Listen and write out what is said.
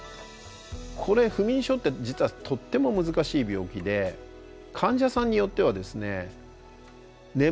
これ不眠症って実はとっても難しい病気で患者さんによってはですね眠れてないと感じてるんだけど